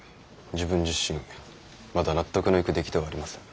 自分自身まだ納得のいく出来ではありません。